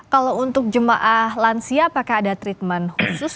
kalau untuk jemaah lansia apakah ada treatment khusus